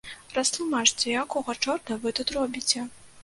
Растлумачце, якога чорта вы тут робіце.